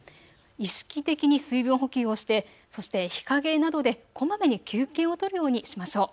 意識的に水分補給をしてそして日陰などでこまめに休憩を取るようにしましょう。